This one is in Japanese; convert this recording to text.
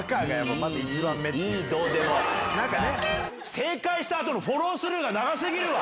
正解したあとのフォロースルーが長すぎるわ！